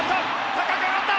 高く上がった！